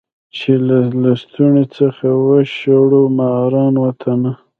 چي له لستوڼي څخه وشړو ماران وطنه